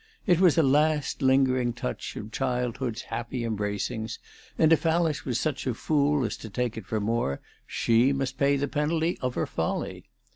It was a last lingering touch of childhood's happy embracings, and if Alice was such a fool as to take it for more, she must pay the penalty of her folly.